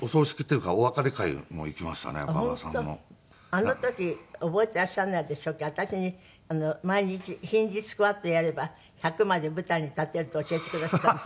あの時覚えていらっしゃらないでしょうけど私に毎日ヒンズースクワットやれば１００まで舞台に立てると教えてくだすったんですよ。